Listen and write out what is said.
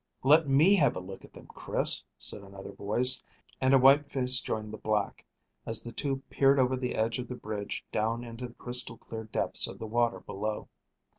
"Let me have a look at them, Chris," said another voice, and a white face joined the black, as the two peered over the edge of the bridge down into the crystal clear depths of the water below.